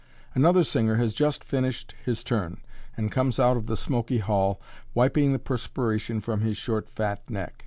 Another singer has just finished his turn, and comes out of the smoky hall, wiping the perspiration from his short, fat neck.